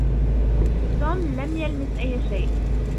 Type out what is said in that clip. توم لم يلمس أي شيء.